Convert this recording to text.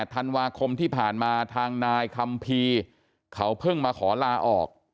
ธันวาคมที่ผ่านมาทางนายคัมภีร์เขาเพิ่งมาขอลาออก